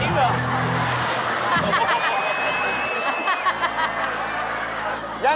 เห็นไหมลูกชุบ